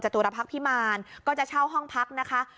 ตุรพักษ์พิมารก็จะเช่าห้องพักนะคะ